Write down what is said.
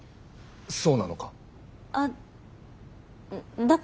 そうなのか？